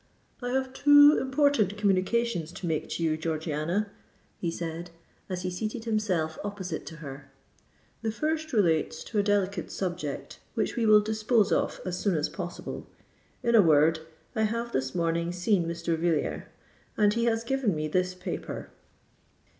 "I have two important communications to make to you, Georgiana," he said, as he seated himself opposite to her. "The first relates to a delicate subject, which we will dispose of as soon as possible. In a word, I have this morning seen Mr. Villiers; and he has given me this paper."